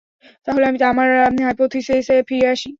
তাহলে আমি আমার হাইপোথিসিসে ফিরে আসি।